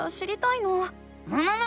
むむむ！